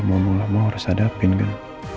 mau gak mau harus hadapin kan